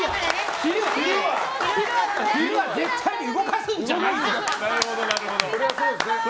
昼は絶対に動かすんじゃないと。